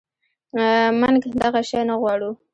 منږ دغه شی نه غواړو